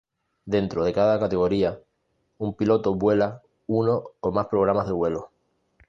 Dentro de cada categoría, un piloto vuela uno o más programas de vuelo.